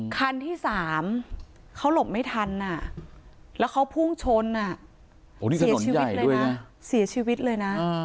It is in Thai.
คันที่สามเขาหลบไม่ทันแล้วเขาพุ่งชนเสียชีวิตเลยนะ